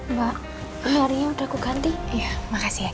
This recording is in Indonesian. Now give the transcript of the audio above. mbak harinya udah aku ganti ya makasih ya